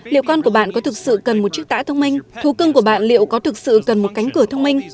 liệu con của bạn có thực sự cần một chiếc tạ thông minh thú cưng của bạn liệu có thực sự cần một cánh cửa thông minh